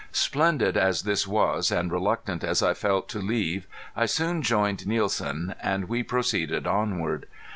Splendid as this was and reluctant as I felt to leave I soon joined Nielsen, and we proceeded onward.